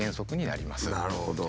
なるほど。